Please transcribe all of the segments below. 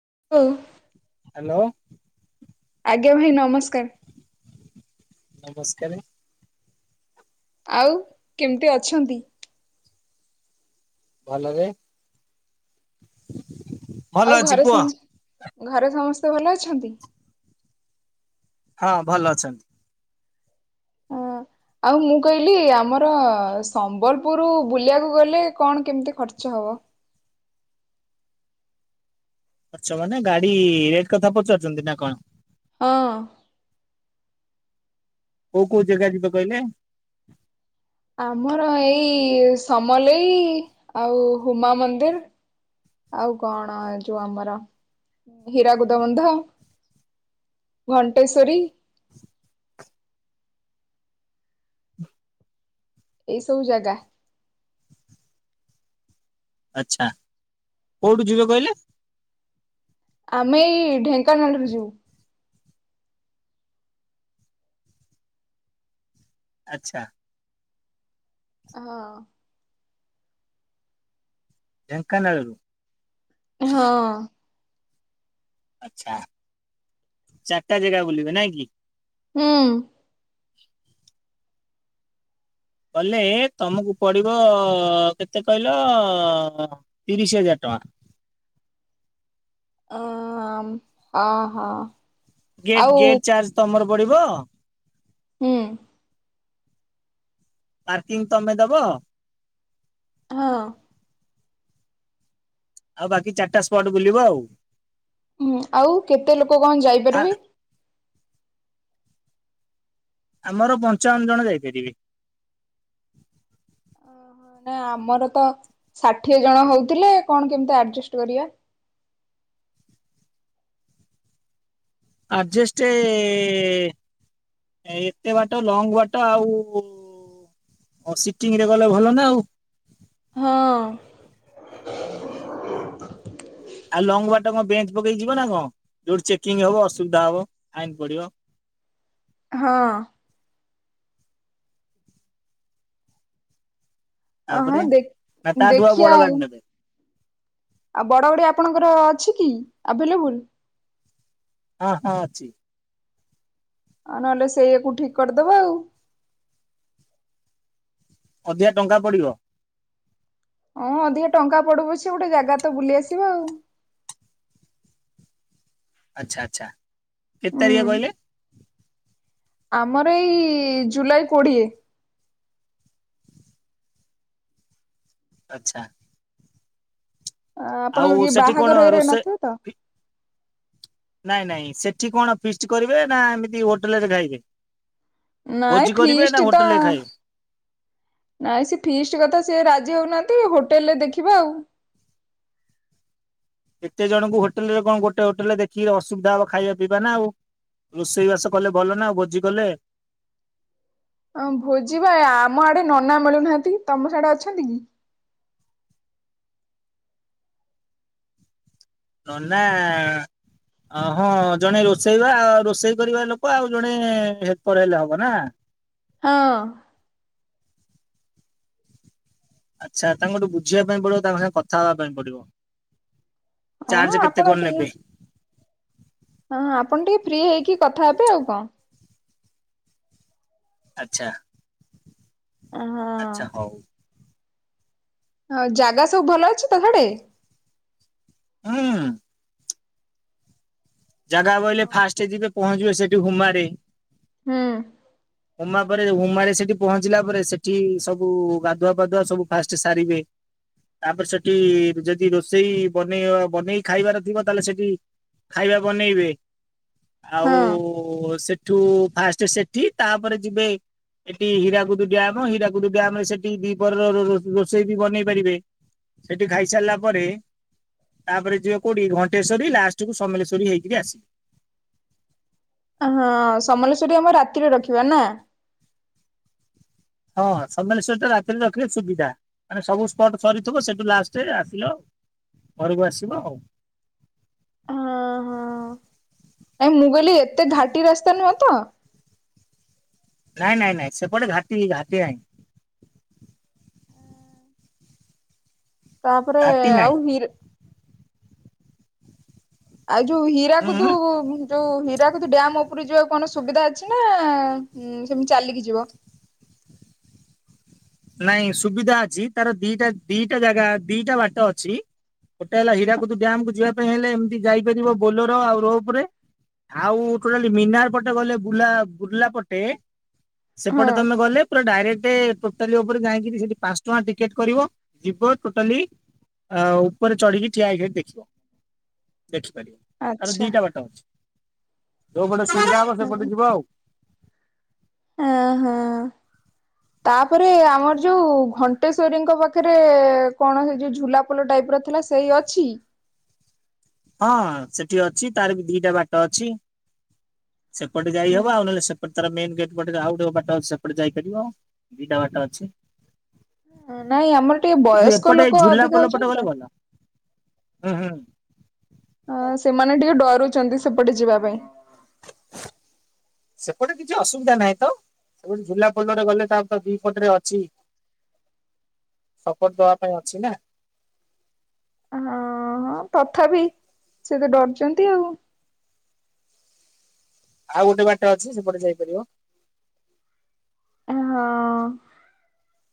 [inaudible] Hello. ଆଜ୍ଞା, ଭାଇ ନମସ୍କାର। ନମସ୍କାରେ। ଆଉ କେମିତି ଅଛନ୍ତି? ଭଲରେ ଭଲ ଆଉ ଅଛି ଘରେ କୁହ ସମସ୍ ଘରେ ସମସ୍ତେ ଭଲ ଅଛନ୍ତି? ହଁ ଭଲ ଅଛନ୍ତି। ହଁ। ଆଉ ମୁଁ କହିଲି ଆମର ସମ୍ବଲପୁରୁ ବୁଲିବାକୁ ଗଲେ କଣ କେମିତି ଖର୍ଚ୍ଚ ହବ? [inaudible] ଖର୍ଚ୍ଚ ମାନେ ଗାଡି ରେଟ୍ କଥା ପଚାରୁଚନ୍ତି ନା କଣ? ହଁ। କୋଉ କୋଉ ଜେଗା ଯିବ କହିଲେ? ଆମର ଏଇ ସମଲେଇ ଆଉ ହୁମା ମନ୍ଦିର୍। ଆଉ କଣ ଯୋଉ ଆମର ହୀରାକୁୁଦ ବନ୍ଧ। ଘଣ୍ଟେଶ୍ୱରୀ। [inaudible] ଏଇସବୁ ଜାଗା। ଆଚ୍ଛା। କୋଉଠୁ ଯିବେ କହିଲେ? ଆମେ ଏଇ ଢେଙ୍କାନାଳରୁ ଯିବୁ। ଆଚ୍ଛା। ହଁ। ଢେଙ୍କାନାଳରୁ ହଁ। ଆଚ୍ଛା। ଚାରିଟା ଜେଗା ବୁଲିବେ ନାଇଁ କି? ହୁଁ। ଗଲେ ତମକୁ ପଡିବ କେତେ କହିଲ, ତିରିଶ ହଜାର ଟଙ୍କା। [inaudible] ଅ ହଁ ହଁ।। ଗେଟ୍ ଆଉ ଗେଟ୍ ଚାର୍ଜ ତମର ପଡିବ? ହୁଁ। ପାର୍କିଂ ତମେ ଦ ହଁ। ଆଉ ବାକି ଚାରିଟା ସ୍ପଟ୍ ବୁଲିବ ଆଉ। ହୁଁ, ଆଉ କେତେ ଲୋକ କଣ ଆ ଯାଇପାରିବେ? ଆମର ପଞ୍ଚାବନ୍ ଜଣ ଯାଇପାରିବେ। ଓ ହୋ, ନାଇ ଆମର ତ ଷାଠିଏ ଜଣ ହଉଥିଲେ କଣ କେମିତି ଆଡଜଷ୍ଟ କରିବା? [inaudible] ଆଡ଼ଜେଷ୍ଟ୍ ଏ ଏତେ ବାଟ ଲଙ୍ଗ୍ ବାଟ ଆଉ ସିଟିଂ ରେ ଗଲେ ଭଲ ନା ଆଉ। ହଁ। ଆଉ ଲଙ୍ଗ ବାଟ କଣ ବେଞ୍ଚ୍ ପକେଇ ଯିବ ନା କଣ, ଯୋଉଠି ଚେକିଂ ହବ ଅସୁବିଧା ହବ ଫାଇନ୍ ପଡିବ। [inaudible] ହଁ‌। ତାପରେ ହଁ ନା ଦେଖ୍ ତାଠୁ ବଡ ଦେଖିଆ ଆଉ। ଗାଡି ନେବେ ଆଉ ବଡ଼ ଗାଡ଼ି ଆପଣଙ୍କର ଅଛି କି ଆଭେଲେବୁଲ୍? ହଁ ହଁ ଅଛି। ଆଉ ନହେଲେ ସେୟାକୁ ଠିକ କରିଦବା ଆଉ। ଅଧିକା ଟଙ୍କା ପଡିବ। ହଁ ଅଧିକା ଟଙ୍କା ପଡୁ ପଛି ଗୋଟେ ଜାଗା ତ ବୁଲି ଆସିବା ଆଉ। ଆଚଛା ଆଚ୍ଛା କେତେ ହୁଁ। ତାରିଖ କହିଲେ। ଆମର ଏଇ ଜୁଲାଇ କୋଡିଏ। ଆଚଛା। ଆଉ ଆପଣଙ୍କର କି ସେଠି କଣ ବାହାଘର ହେରା ନଥିବ ତ? ରୋଷେଇ ନାଇଁ ନାଇଁ ସେଠି କଣ ଫିଷ୍ଟ କରିବେ ନା ଏମିତି ହୋଟେଲରେ ଖାଇବେ? ନାଇଁ ଭୋଜି କରିବେ ନା ଫିସ୍ଟି ତ ହୋଟେଲରେ ଖାଇବେ ନାଇଁ ସେ ଫିଷ୍ଟ କଥା ସେ ରାଜି ହଉନାହାନ୍ତି। ହୋଟେଲ ରେ ଦେଖିବା ଆଉ। କେତେ ଜଣଙ୍କୁ ହୋଟେଲ ରେ କଣ ଗୋଟେ ହୋଟେଲରେ ଦେଖି ଅସୁବିଧା ହବ ଖାଇବା ପିଇବା ନା ଆଉ। ରୋଷେଇ ବାସ କଲେ ଭଲ ନା ଭୋଜି କଲେ। ହଁ ଭୋଜି ବା ଆମ ଆଡେ ନନା ମିଳୁନାହାନ୍ତି ତମ ସାଡେ ଅଛନ୍ତି କି? [inaudible] ନନା ଅ ହଁ ଜଣେ ରୋଷେଇବା ରୋଷେଇ କରିବା ଲୋକ ଆଉ ଜଣେ ହେଲପର ହେଲେ ହବ ନା। ହଁ। ଆଚ୍ଛା ତାଙ୍କଠୁ ବୁଝିବା ପାଇଁ ପଡିବ ତାଙ୍କ ସାଙ୍ଗେ କଥା ହବା ପାଇଁ ପଡିବ। ହଁ ଚାର୍ଜ କେତେ ଆପଣ କଣ ଟିକେ ନେବେ ହଁ ଆପଣ ଟିକେ ଫ୍ରି ହେଇକି କଥା ହେବେ ଆଉ କଣ? ଆଚ୍ଛା। ଅ ହ। ଆଚ୍ଛା ହଉ ହଁ ଜାଗା ସବୁ ଭଲ ଅଛି ତ ସାଡେ ହୁଁ। ଜାଗା ବହିଲେ ଫାଷ୍ଟ ଯିବେ ପହଞ୍ଚିବେ ସେଠି ହୁମାରେ। ହୁଁ। ହୋମା ପରେ ହୋମାରେ ସେଠି ପହଞ୍ଚିଲା ପରେ ସେଠି ସବୁ ଗାଧୁଆ ପାଧୁଆ ସବୁ ଫାଷ୍ଟ ସାରିବେ। ତାପରେ ସେଠି ଯଦି ରୋଷେଇ ବନେଇବ ବନେଇ ଖାଇବାର ଥିବ ତାହେଲେ ସେଠି ଖାଇବା ବନେଇବେ ଆଉ ହଁ ସେଠ ସେଠୁ ଫାଷ୍ଟ ସେଠି ତାପରେ ଯିବେ ଏଠି ହୀରାକୁଦୁ ଡ୍ୟାମ ହୀରାକୁଦୁ ଡ୍ୟାମ ରେ ସେଠି ଦିପହର ର ରୋଷେଇ ବି ବନେଇ ପାରିବେ। ସେଠି ଖାଇସାରିଲା ପରେ ତାପରେ ଯିବ କୋଉଠି ଘଣ୍ଟେଶ୍ଵରୀ ଲାଷ୍ଟ କୁ ସମଲେଶ୍ୱ ଚୋରି ହେଇକରି ଆସିବି। ହଁ ସମଲେଶ୍ଵରୀ ଆମ ରାତିରେ ରଖିବା ନା। ହଁ ସମ୍ଲେଶ୍ୱରିଟା ରାତିରେ ରଖିଲେ ସୁବିଧା, ମାନେ ସବୁ ସ୍ପଟ ସରିଥିବ ସେଠୁ ଲାଷ୍ଟରେ ଆସିଲ। ଘରକୁ ଆସିବ ଆଉ। ହଁ ହଁ ଆ ମୁଗଲି ଏତେ ଘାଟି ରସ୍ତା ନୁହ ତ? ନାଇଁ ନାଇଁ ନାଇଁ ସେପଟେ ଘାଟି ଘାଟି ନାହିଁ। ତାପରେ ଘାଟି ନାହିଁ। ଆଉ ହିର୍ ଆଉ ଯୋଉ ହୀରାକୁଦୁ ଉଁ ଯୋଉ ହୀରାକୁଦ ଡାମ ଉପ ପୁରୀ ଯିବାକୁ କଣ ସୁବିଧା ଅଛି ନା ସେମିତି ଚାଲିକି ଯିବ। ନାଇଁ ସୁବିଧା ଅଛି ତାର ଦିଟା ଦିଟା ଜାଗା ଦିଟା ବାଟ ଅଛି। ଗୋଟେ ହେଲା ହୀରାକୁଦ ଡ୍ୟାମ କୁ ଯିବା ପାଇଁ ହେଲେ ଏମିତି ଯାଇପାରିବ। ଆଉ ଟୋଟାଲି ମିନାର ପଟେ ଗଲେ ବୁଲା ବୁର୍ଲା ପଟେ ହଁ ସେପଟେ ତମେ ଗଲେ ପୁରା ଡାଇରେକ୍ଟ ଟୋଟାଲି ଉପରେ ଯାଇକି ସେଠି ପାଞ୍ଚ ଟଙ୍କା ଟିକେଟ କରିବ ଯିବ ଟୋଟାଲି ଅ ଉପରେ ଚଢିକି ଠିଆ ହେଇକି ଦେଖିବ ଦେଖ। ତ ଆଚ୍ଛା ଦିଟା ବାଟ ଅଛି ଯୋଉ ପଟେ ସୁଇଧା ହବ ସେପଟେ ଯିବ ଆଉ ହଁ ହଁ। ତାପରେ ଆମର ଯୋଉ ଘଣ୍ଟେଶ୍ଵରୀଙ୍କ ପାଖରେ କଣ ମ ଯୋଉ ଝୁଲାପୋଲ ଟା ଥିଲା ସେଇ ଅଛି। ହଁ ସେଠି ଅଛି ତାର ବି ଦିଟା ବାଟ ଅଛି। ସେପଟେ ଯାଇ ହବ ଆଉ ନହେଲେ ସେପଟେ ତାର ମେନ୍ ଗେଟ ପଟେ ଆଉ ଗୋଟେ ବାଟ ଅଛି ସେପଟେ ଯାଇପାରିବ ଦିଟା ବାଟ ଅଛି। ନାଇଁ ଆମର ଟିକେ କିନ୍ତୁ ବୟସ୍କ ଏପଟେ ଏଇ ଲୋକ ଝୁଲା ଅଧିକା ପୋଲ ହଉଛନ୍ତି ପଟେ ତ ଗଲେ ଭଲ। ହୁଁ ହୁଁ। ହଁ ସେମାନେ ଟିକେ ଡରୁଛନ୍ତି ସେପଟେ ଯିବା ପାଇଁ। ସେପଟେ କିଛି ଅସୁବିଧା ନାହିଁ ତ ସେଠୁ ଝୁଲାପୋଲରେ ଗଲେ ତ ତାର ଦି ପଟରେ ଅଛି ସପୋର୍ଟ ଦବା ପାଇଁ ଅଛି ନା। ହଁ। ହଁ ତଥାପି ସେ ତ ଡରୁଛନ୍ତି ଆଉ। ଆଉ ଗୋଟେ ବାଟ ଅଛି ସେପଟେ ଯାଇପାରିବ ହଁ।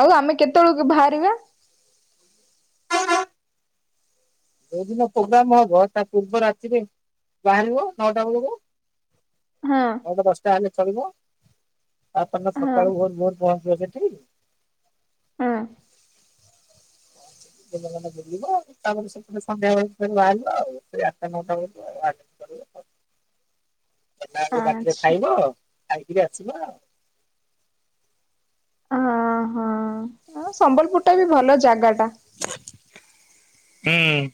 ଆଉ ଆମେ କେତେବେଳକୁ ବାହାରିବା? ଯୋଉ ଦିନ ପ୍ରୋଗ୍ରାମ ହବ ତା ପୂର୍ବ ରାତିରେ ବାହାରିବ ନଅଟା ବେଳକୁ ହଁ ତା ପରେ ଦଶଟା ହେଲେ ଚାଲିବା ତାପରେ ହଁ ସକାଳୁ ଭୋରୁ ଭୋରୁ ପହଞ୍ଚିବା। [unintelligible] ହଁ। ଦିନ ମାନ ବୁଲିବା ତାପରେ ସନ୍ଧ୍ୟାବେଳେ ବାହାରିବା ଆଉ ସେଇ ଆଠଟା ନଅଟା ବେଳକୁ ଆଉ। ବାଟରେ ଆଚ୍ଛା ଖାଇବା ଆଉ ଖାଇକିରି ଆସିବ ଆଉ। ହଁ ହଁ ସମ୍ବଲପୁର ଟା ବି ଭଲ ଜାଗା ଟା! ହୁଁ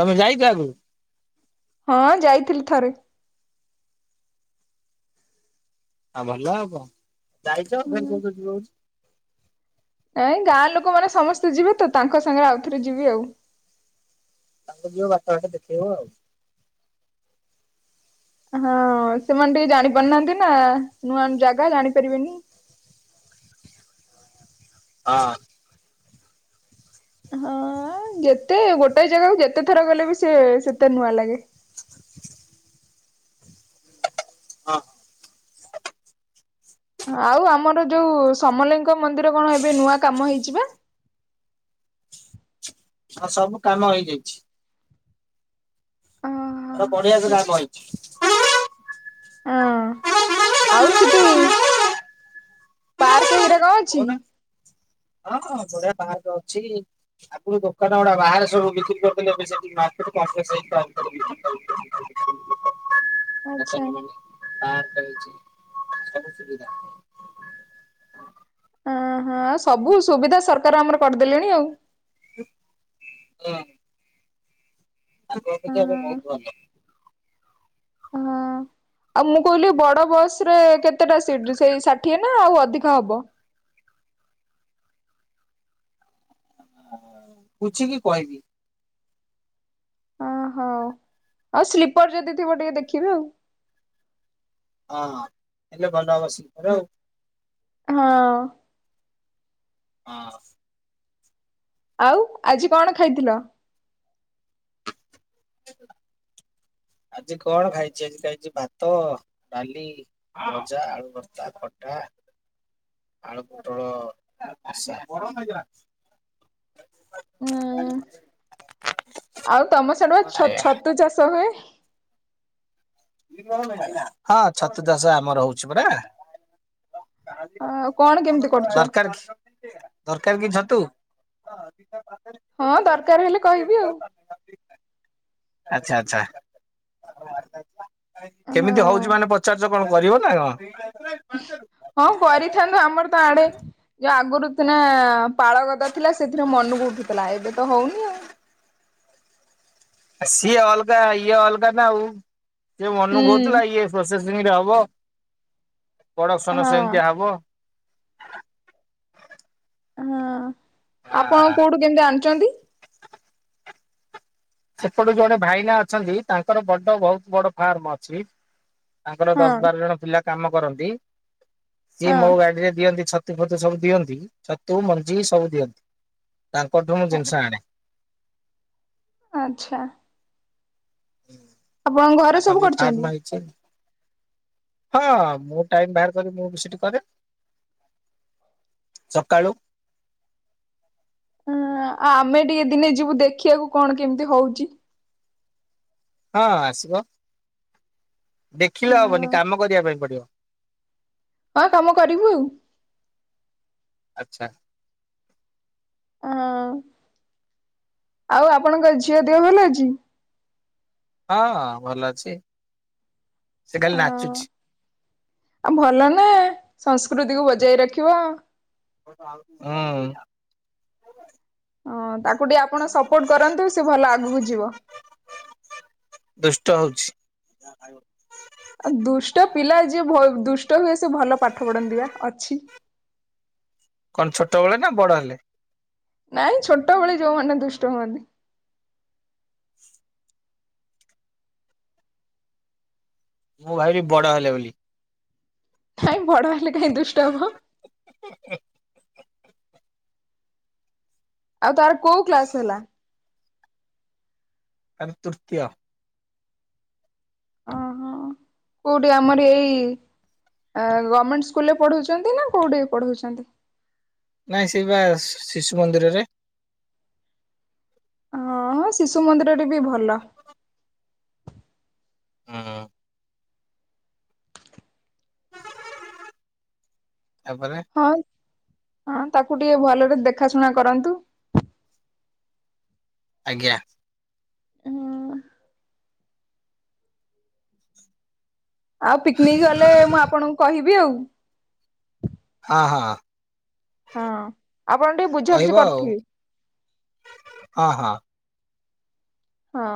ତମେ ଯାଇଛ ଆଗରୁ? ହଁ ଯାଇଥିଲି ଥରେ। ହଁ ଭଲ ଆଉ କଣ ଯାଇଛ ହୁଁ ଫେରେ କହୁଛ ଯିବ ବୋଲି। ନାଇଁ ଗାଁ ଲୋକ ମାନେ ସମସ୍ତେ ଯିବେ ତ ତାଙ୍କ ସାଙ୍ଗରେ ଆଉ ଥରେ ଯିବି ଆଉ। ତାଙ୍କୁ ଯିବ ବାଟ ଘାଟ ଦେଖେଇବ ଆଉ। ହଁ ସେମାନେ ଟିକେ ଜାଣି ପାରୁନାହାନ୍ତି ନା ନୂଆ ଜାଗା ଜାଣିପାରିବେନି। ହଁ। ହଁ ଯେତେ ଗୋଟେ ଜାଗାକୁ ଯେତେ ଥର ଗଲେ ବି ସେ ସେତେ ନୂଆ ଲାଗେ [inaudible] ହଁ। ଆଉ ଆମର ଯୋଉ ସମଲେଇଙ୍କ ମନ୍ଦିର କଣ ଏବେ ନୂଆ କାମ ହେଇପା? ହଁ ସବୁ କାମ ହେଇଯାଇଛି। ହଁ। ମୋର ବଢିଆ କାମ ପାଇଛି। ହଁ ଆଉ ସେଠି ପାର୍କ ଗୁ୍ରା କଣ ଆଉ ଅଛି? କହୁନା [inaudible] ହଁ ବଢିଆ ପାର୍କ ଅଛି ଆଗରୁ ଦୋକାନ ଗୁଡା ବାହାରେ ସବୁ ବିକ୍ରି କରିଦଲେ ଏବେ ସେଥି [unintelligible] ଆଚ୍ଛା। ଅଛି ସବୁ ସୁବିଧା। ହଁ ହଁ ସବୁ ସୁବିଧା ସରକାର ଆମର କରିଦେଲେଣି ଆଉ। ହଁ। ଆଗ ଅପେକ୍ଷା ଏବେ ହଁ ବହୁତ ଭଲ। ହଁ। [inaudible] ଆଉ ମୁଁ କହିଲି ବଡ ବସ ରେ କେତେଟା ସିଟ ସେଇ ଷାଠିଏ ନା ଆଉ ଅଧିକ ହବ? [unintelligible] [unintelligible] ପୁ୍ଚ୍ଚ୍ଛି କି କଇବି। ଓହୋ ଆଉ ସ୍ଲିପର୍ ଯଦି ଥିବ ଟିକେ ଦେଖିବେ ଆଉ। ଆଁ ଇଲେ ବଲ ଅବ ଶୀଘ୍ର ଆଉ। ହଁ। ଆଁ। ଆଉ ଆଜି କଣ ଖାଇଥିଲ? [inaudible] ଆଜି କଣ ଖାଇଛି? ଆଜି ଖାଇଛି ଭାତ, ଡାଲି, ଭଜା, ଆଳୁ ଭର୍ତା, ଖଟା। ଆଳୁ ପୋଟଳ କସା ହୁଁ [unintelligible] [unintelligible] ଆଉ ତମ ସାଡ଼ୁଆ ଛ ଛତୁ ଚାଷ ହୁଏ? [inaudible] ହଁ ଛତୁ ଚାଷ ଆମର ହଉଛି ପରା। ଆଉ କଣ କେମିତି କରୁଛ? ଦର୍କାର୍ କି, ଦର୍କାର୍ କି ଛ ତୁ ହଁ ଦର୍କାର୍ ହେଲେ କହିବି ଆଉ ଆଛା ଆଛା [inaudible] ହଁ କେମିତି ହଉଛି ମାନେ ପଚାରୁଛ କଣ କରିବ ନା କଣ୍? ଉଁ, ହଁ, କରିଥାନ୍ତୁ, ଆମର୍ ତ ଆଡ଼େ ଯୋ ଆଗରୁ ଥିନା, ପାଳଗଦା ଥିଲା, ସେଥିରୁ ମନକୁ ଉଠୁଥିଲା, ଏବେ ତ ହଉନି ଆଉ ନାଇଁ ସିଏ ଅଲ୍ଗା, ଇଏ ଅଲ୍ଗା ନା, ଆଉ ଇଏ ମନ ହୁଁ। ବହୁଥିଲା ଇଏ ପ୍ରୋସେସ୍ [unintelligible] ହବ ପ୍ରଡକ୍ସନ ହଁ ସେମତିଆ ହବ। ହଁ, ଆପଣ କୋଉଠୁ କେମିତି ଆଣୁଛନ୍ତି? ସେପଡ଼ୁ ଜଣେ ଭାଇନା ଅଛନ୍ତି, ତାଙ୍କର ବଡ଼ ବହୁତ୍ ବଡ଼ ଫାର୍ମ ଅଛି। ତାଙ୍କର ହଁ ଦଶ ବାର ଜଣ ପିଲା କାମ କରନ୍ତି, ସିଏ ହଁ ମୋ ଗାଡିରେ ଦିଅନ୍ତି ଛତ ତୁ ଫତୁ ସବୁ ଦିଅନ୍ତି, ଛତୁ ମଞ୍ଜି ସବୁ ଦିଅନ୍ତି, ତାଙ୍କଠୁ ମୁଁ ଜିନିଷ ଆଣେ। ଆଛା। ଆପଣଙ୍କ ଘରେ ସବୁ କରୁଛନ୍ତି? ହାଁ, ମୁଁ ଟାଇମ୍ ବାହାର୍ କରି, ମୁଁ ବି ସେଠି କରେ। ସକାଳୁ। ହୁଁ, ଆ ଆମେ ଟିଏ ଦିନେ ଯିବୁ ଦେଖିଆକୁ କଣ କେମ୍ତିଆ ହଉଚି? ହଁ ଆସିବ, ଦେଖିଲେ ହଁ ହବନି, କାମ କରିବା ପାଇଁ ପଡ଼ିବ। ଆ କାମ କରିବୁ ଆଉ। ଆଛା। ଆଁ, ଆଉ ଆପଣଙ୍କ ଝିଅ ଦେହ ଭଲ ଅଛି? ହଁ, ଭଲ ଅଛି। ସେ ଖାଲି ଆଉ ନାଚୁଛି ଆ ଭଲ ନା ସଂସ୍ କୃତିକୁ ବଜାଇ ରଖିବ। [unintelligible] ହୁଁ ଅଁ ତାକୁ ଟିଏ ଆପଣ ସପୋର୍ଟ କରନ୍ତୁ, ସେ ଭଲ ଆଗକୁ ଯିବ। [inaudible] ଦୁଷ୍ଟ ହଉଚି [inaudible] ଆ ଦୁଷ୍ଟ ପିଲା ଯିଏ ଭ ଦୁଷ୍ଟ ହୁଏ ସେ ଭଲ ପାଠ ପଢ଼ନ୍ତି ବା ଅଛି। କନ୍ ଛୋଟବେଳେ ନା ବଡ଼ ହେଲେ? ନାଇଁ ଛୋଟ ବେଳେ ଯୋଉମାନେ ଦୁଷ୍ଟ ହୁଅନ୍ତିି। ମୁଁ ଭାବିଲି ବଡ଼ ହେଲେ ବୋଲି। କାଇଁ ବଡ଼ ହେଲେ କାଇଁ ଦୁଷ୍ଟ ହବ। ଆଉ ତାର କୋଉ କ୍ଲାସ୍ ହେଲା? ତାର ତୁର୍ତିଅ। ଅହ, କୋଉଟି ଆମରି ଏଇ ଏ ଗମ୍ମେଣ୍ଟ ସ୍କୁଲରେ ପଢ଼ଉଛନ୍ତି ନା? କୋଉଠି ଏ ପଢ଼ଉଛନ୍ତି? ନାଇଁ ସେଇବା ଶି ଶିଶୁ ମନ୍ଦିରରେ ହଁ ଶିଶୁ ମନ୍ଦିରଟି ବି ଭଲ ହଁ ତାପରେ ହଁ ହଁ ତାକୁ ଟିକେ ଭଲରେ ଦେଖା ଶୁଣା କରନ୍ତୁ। ଆଜ୍ଞା। ହୁଁ। ଆଉ ପିକନିକ ଗଲେ ମୁଁ ଆପଣଙ୍କୁ କହିବି ଆଉ। ହଁ ହଁ। ହଁ ଆପଣ ଟିକେ କହିବ ବୁଝାବୁଝି ଆଉ, କରିଥିବେ ହଁ ହଁ। ହଁ।